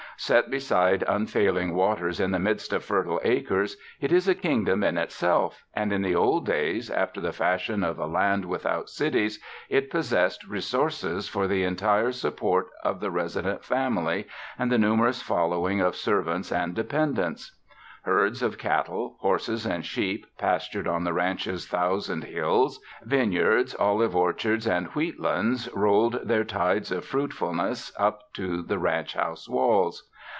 Set be side unfailing waters in the midst of fertile acres, it is a kingdom in itself ; and in the old days, after the fashion of a land without cities, it possessed re sources for the entire support of the resident family and the numerous following of servants and depend ents. Herds of cattle, horses and sheep pastured on the ranch's thousand hills; vineyards, olive orchards, and wheat lands rolled their tides of fruit fulness up to the ranch house walls.